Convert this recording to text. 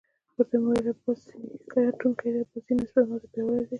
ورته ومې ویل: باسي ګټونکی دی، باسي نسبت ما ته پیاوړی دی.